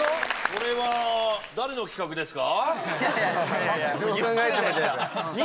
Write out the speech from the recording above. これは誰の企画ですか？